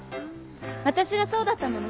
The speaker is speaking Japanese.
私がそうだったもの。